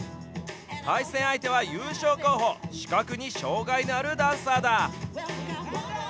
対戦相手は優勝候補、視覚に障害のあるダンサーだ。